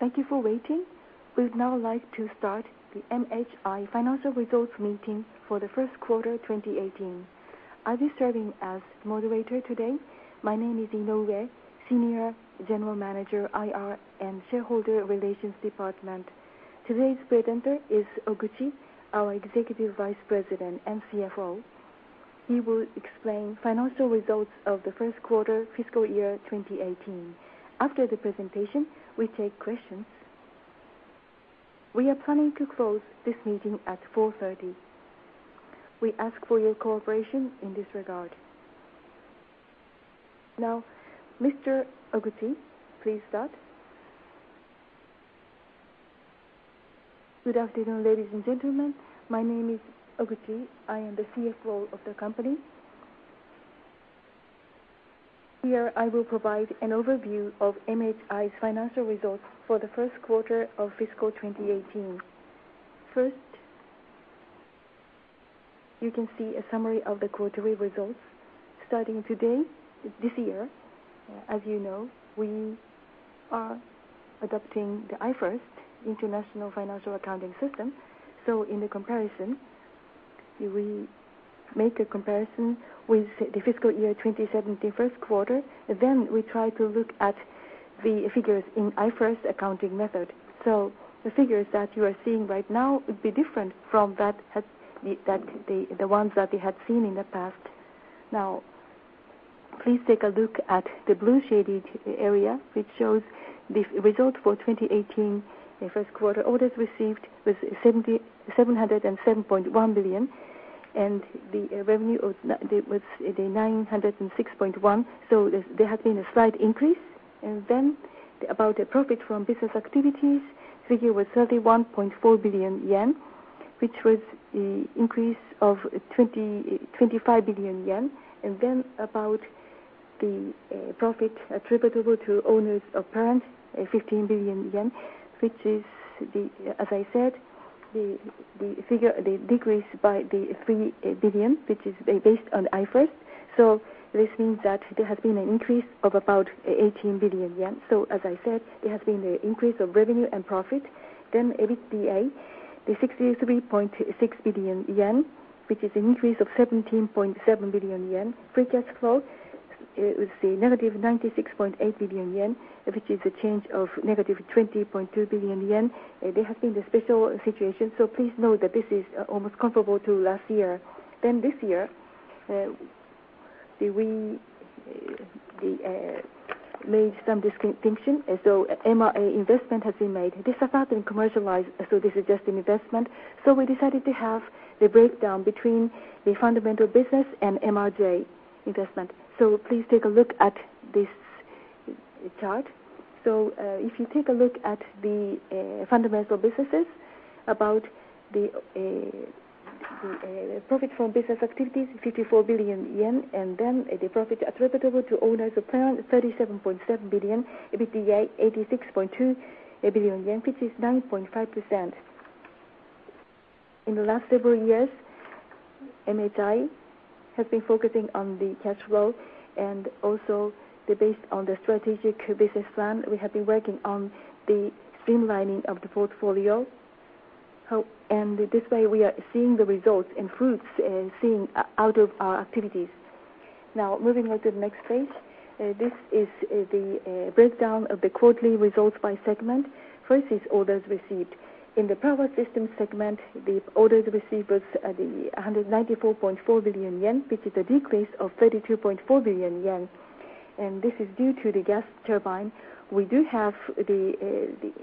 Thank you for waiting. We would now like to start the MHI financial results meeting for the first quarter 2018. I will be serving as moderator today. My name is Inoue, Senior General Manager, IR and Shareholder Relations Department. Today's presenter is Koguchi, our Executive Vice President and CFO. He will explain financial results of the first quarter fiscal year 2018. After the presentation, we take questions. We are planning to close this meeting at 4:30 P.M. We ask for your cooperation in this regard. Mr. Koguchi, please start. Good afternoon, ladies and gentlemen. My name is Koguchi. I am the CFO of the company. Here, I will provide an overview of MHI's financial results for the first quarter of fiscal 2018. You can see a summary of the quarterly results. Starting this year, as you know, we are adopting the IFRS, International Financial Reporting Standards. In the comparison, we make a comparison with the fiscal year 2017 first quarter, we try to look at the figures in IFRS accounting method. The figures that you are seeing right now would be different from the ones that we had seen in the past. Please take a look at the blue shaded area, which shows the result for 2018 first quarter. Orders received was 707.1 billion and the revenue was 906.1 billion. There has been a slight increase. About the profit from business activities, figure was 31.4 billion yen, which was the increase of 25 billion yen. About the profit attributable to owners of parent, 15 billion yen, which is, as I said, the figure decreased by 3 billion, which is based on IFRS. This means that there has been an increase of about 18 billion yen. As I said, there has been an increase of revenue and profit. EBITDA, 63.6 billion yen, which is an increase of 17.7 billion yen. Free cash flow, it was negative 96.8 billion yen, which is a change of negative 20.2 billion yen. There has been a special situation, please note that this is almost comparable to last year. This year, we made some distinction, MRJ investment has been made. This has not been commercialized, this is just an investment. We decided to have the breakdown between the fundamental business and MRJ investment. Please take a look at this chart. If you take a look at the fundamental businesses, about the profit from business activities, 54 billion yen, the profit attributable to owners of parent, 37.7 billion, EBITDA 86.2 billion yen, which is 9.5%. In the last several years, MHI has been focusing on the cash flow and also based on the strategic business plan, we have been working on the thinning of the portfolio. This way, we are seeing the results and fruits out of our activities. Moving on to the next page. This is the breakdown of the quarterly results by segment. Orders received. In the Power Systems segment, the orders received was 194.4 billion yen, which is a decrease of 32.4 billion yen. This is due to the gas turbine. We do have the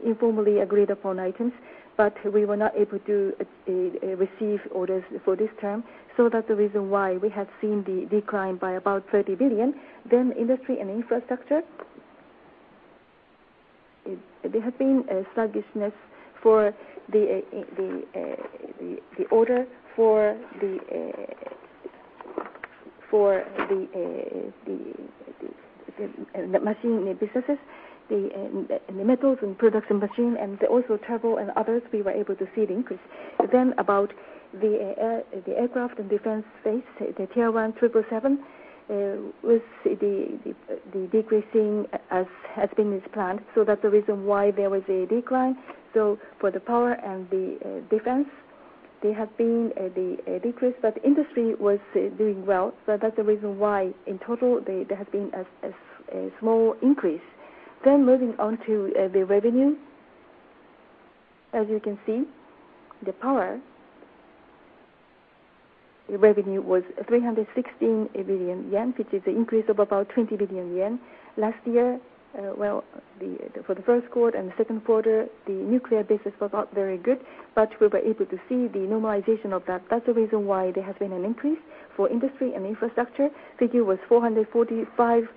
informally agreed upon items, we were not able to receive orders for this term. That is the reason why we have seen the decline by about 30 billion. Industry & Infrastructure. There has been a sluggishness for the order for the machine businesses, in the Metals Machinery and products and machine, and also turbochargers and others, we were able to see the increase. About the Aircraft, Defense & Space, the Tier 1 777 was decreasing as has been as planned. That's the reason why there was a decline. For the Power Systems and the defense, there has been a decrease, but industry was doing well. That's the reason why in total, there has been a small increase. Moving on to the revenue. As you can see, the Power Systems revenue was 316 billion yen, which is an increase of about 20 billion yen. Last year, well, for the first quarter and the second quarter, the nuclear business was not very good, but we were able to see the normalization of that. That's the reason why there has been an increase. For Industry & Infrastructure, figure was 445.2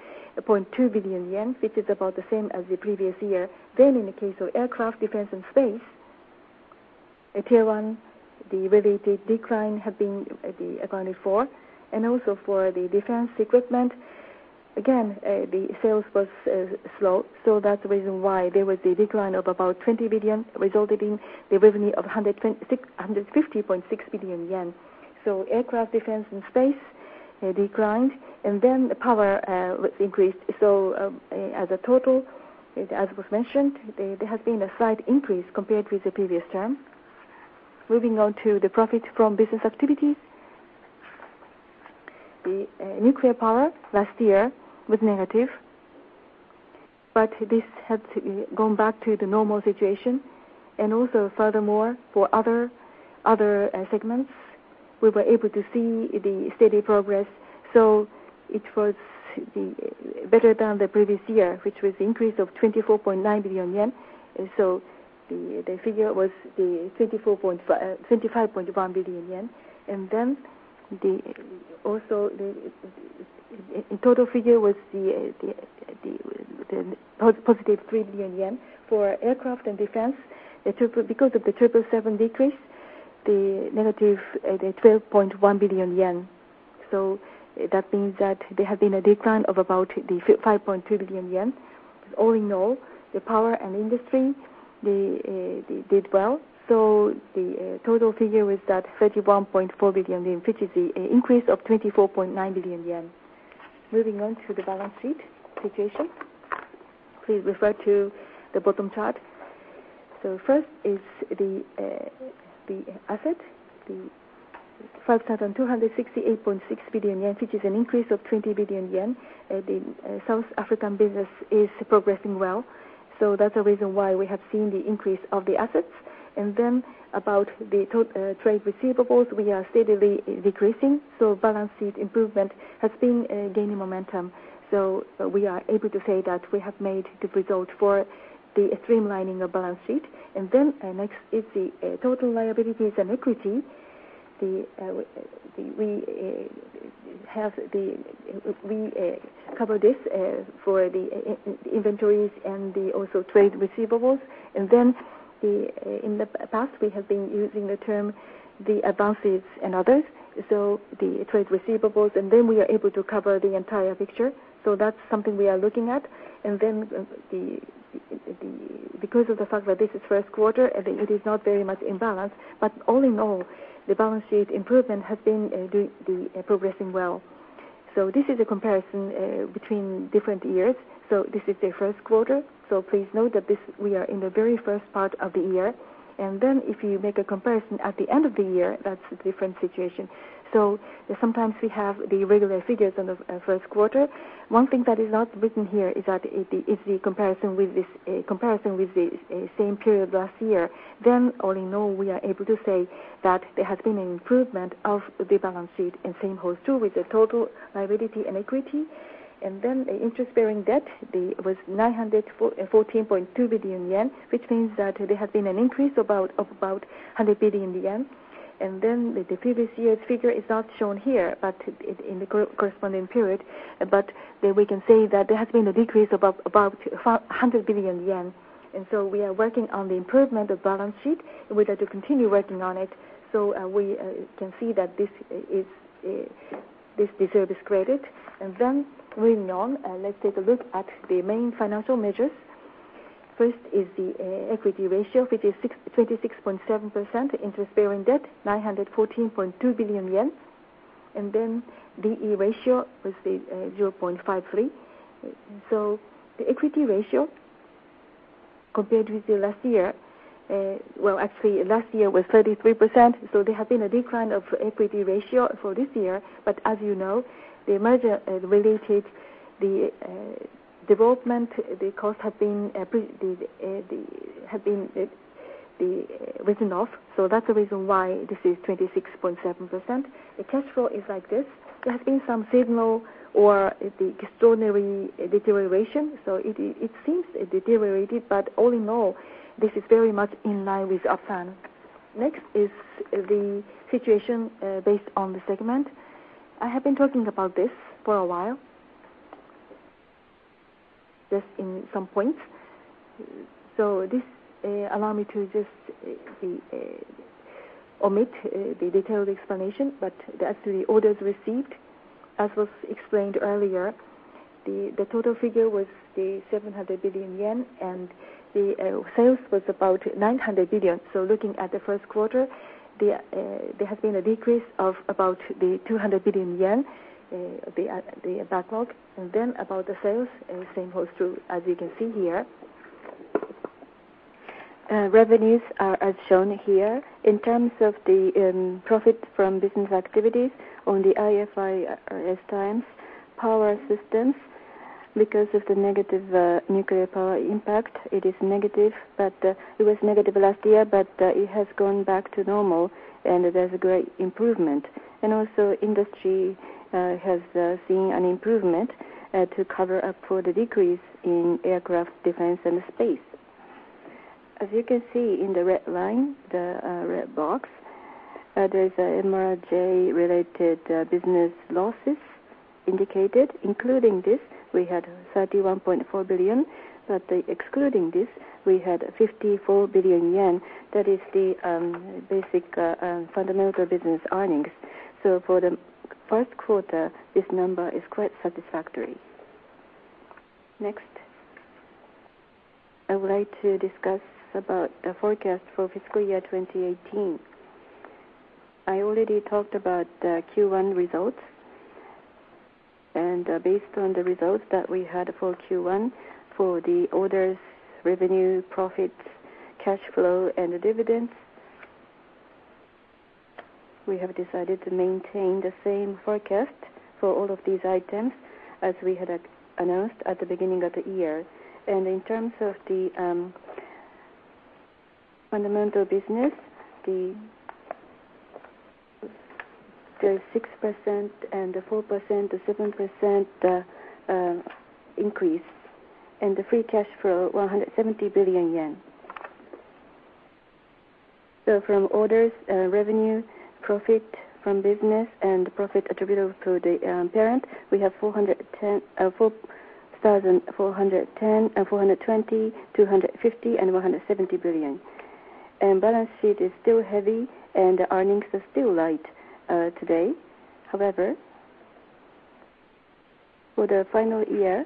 billion yen, which is about the same as the previous year. In the case of Aircraft, Defense & Space, Tier 1, the related decline have been accounted for. Also for the defense equipment, again, the sales was slow. That's the reason why there was a decline of about 20 billion, resulting in the revenue of 150.6 billion yen. Aircraft, Defense & Space They declined, the Power Systems was increased. As a total, as was mentioned, there has been a slight increase compared with the previous term. Moving on to the profit from business activity. The nuclear power last year was negative, but this has gone back to the normal situation. Also furthermore, for other segments, we were able to see the steady progress. It was better than the previous year, which was increase of 24.9 billion yen. The figure was 25.1 billion yen. Also, in total figure was the positive 3 billion yen. For Aircraft, Defense & Space, because of the 777 decrease, the negative 12.1 billion yen. That means that there has been a decline of about 5.3 billion yen. All in all, the Power Systems and industry, they did well. The total figure was 31.4 billion yen, which is the increase of 24.9 billion yen. Moving on to the balance sheet situation. Please refer to the bottom chart. First is the asset, JPY 5,268.6 billion, which is an increase of 20 billion yen. The South African business is progressing well, that's the reason why we have seen the increase of the assets. About the trade receivables, we are steadily decreasing, balance sheet improvement has been gaining momentum. We are able to say that we have made good results for the streamlining of balance sheet. Next is the total liabilities and equity. We cover this for the inventories and also trade receivables. In the past, we have been using the term the advances and others, the trade receivables, we are able to cover the entire picture. That's something we are looking at. Because of the fact that this is first quarter, it is not very much in balance. All in all, the balance sheet improvement has been progressing well. This is a comparison between different years. This is the first quarter, please note that we are in the very first part of the year. If you make a comparison at the end of the year, that's a different situation. Sometimes we have the irregular figures in the first quarter. One thing that is not written here is the comparison with the same period last year. All in all, we are able to say that there has been an improvement of the balance sheet, and same holds true with the total liability and equity. The interest-bearing debt was 914.2 billion yen, which means that there has been an increase of about 100 billion yen. The previous year's figure is not shown here, but in the corresponding period, but we can say that there has been a decrease of about 100 billion yen. We are working on the improvement of balance sheet. We'd like to continue working on it, so we can see that this deserves credit. Moving on, let's take a look at the main financial measures. First is the equity ratio, which is 26.7%. Interest-bearing debt, 914.2 billion yen. D/E ratio was 0.53. The equity ratio compared with the last year, well, actually last year was 33%, there has been a decline of equity ratio for this year. But as you know, the merger related, the development, the cost have been written off. That's the reason why this is 26.7%. The cash flow is like this. There has been some signal or the extraordinary deterioration, so it seems deteriorated, but all in all, this is very much in line with our plan. Next is the situation, based on the segment. I have been talking about this for a while. Just in some points. This allow me to just omit the detailed explanation. As the orders received, as was explained earlier, the total figure was 700 billion yen, the sales was about 900 billion. Looking at the first quarter, there has been a decrease of about 200 billion yen, the backlog. About the sales, the same holds true as you can see here. Revenues are as shown here. In terms of the profit from business activities on the IFRS standards, Power Systems, because of the negative nuclear power impact, it is negative. It was negative last year, but it has gone back to normal, and there's a great improvement. Also, Industry has seen an improvement to cover up for the decrease in Aircraft, Defense & Space. As you can see in the red line, the red box, there's MRJ-related business losses indicated. Including this, we had 31.4 billion, but excluding this, we had 54 billion yen. That is the basic fundamental business earnings. Next, I would like to discuss about the forecast for fiscal year 2018. I already talked about the Q1 results, based on the results that we had for Q1, for the orders, revenue, profits, cash flow, and the dividends, we have decided to maintain the same forecast for all of these items as we had announced at the beginning of the year. In terms of the fundamental business, 6% and 4%, the 7% increase, the free cash flow, 170 billion yen. From orders, revenue, profit from business, and profit attributable to the parent, we have JPY [inaudible] billion, 250 billion, and 170 billion. Balance sheet is still heavy, the earnings are still light today. However, for the final year,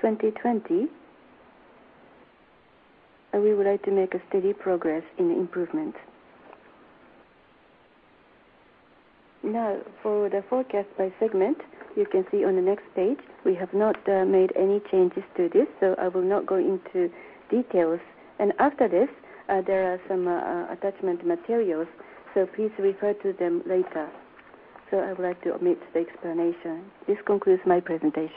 2020, we would like to make a steady progress in improvement. Now for the forecast by segment, you can see on the next page, we have not made any changes to this, so I will not go into details. After this, there are some attachment materials, so please refer to them later. I would like to omit the explanation. This concludes my presentation.